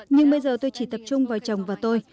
nhưng bây giờ tôi chỉ tập trung vào chồng và tôi